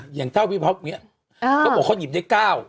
อย่างเท่าพี่พร้อมเนี่ยเขาบอกเขาหยิบได้๙